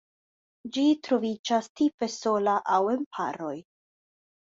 Ĝi troviĝas tipe sola aŭ en paroj.